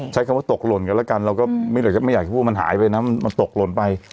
ใช้คำว่าตกหล่นกันแล้วกันเราก็ไม่อยากจะพูดว่ามันหายไปนะมันตกหล่นไป